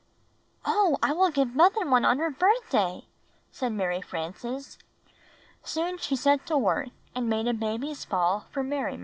"Oh, I wi]l give mother one on her birthday!" said Mary Frances. Soon she set to work and made a baby's ball for Mary Marie.